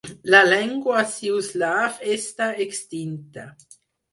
La llengua siuslaw està extinta.